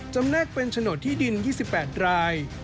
แนกเป็นโฉนดที่ดิน๒๘ราย